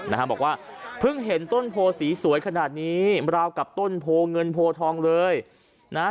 นะฮะบอกว่าเพิ่งเห็นต้นโพสีสวยขนาดนี้ราวกับต้นโพเงินโพทองเลยนะฮะ